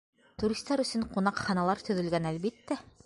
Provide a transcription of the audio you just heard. — Туристар өсөн ҡунаҡханалар төҙөлгән, әлбиттә.